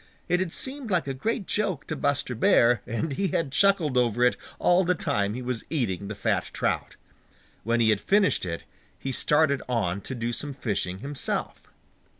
It had seemed like a great joke to Buster Bear, and he had chuckled over it all the time he was eating the fat trout. When he had finished it, he started on to do some fishing himself.